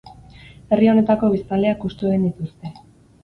Herri honetako biztanleak hustu egin dituzte.